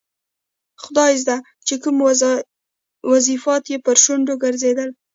خدایزده چې کوم وظیفات یې پر شونډو ګرځېدل.